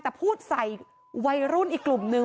แต่พูดใส่วัยรุ่นอีกกลุ่มนึง